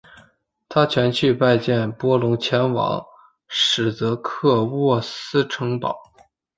他前去拜见波隆前往史铎克渥斯城堡。